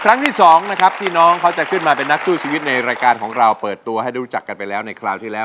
ครั้งที่สองนะครับที่น้องเขาจะขึ้นมาเป็นนักสู้ชีวิตในรายการของเราเปิดตัวให้รู้จักกันไปแล้วในคราวที่แล้ว